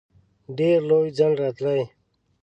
ډېر لوی ځنډ راتلی.